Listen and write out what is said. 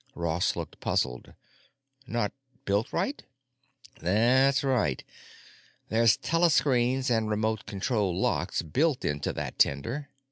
Ross looked puzzled. "Not built right?" "That's right. There's telescreens and remote control locks built into that tender.